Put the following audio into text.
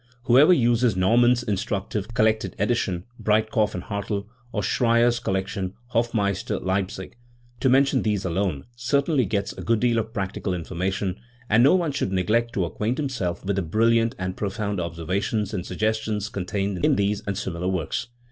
Who ever uses Naumann's instructive collected edition (Breit kopf and Hartel) or Schreyer's collection (Hofmeister, Leipzig) to mention these alone certainly gets a good deal of practical information, and no one should neglect to acquaint himself with the brilliant and pro found observations and suggestions contained in these and similar works*.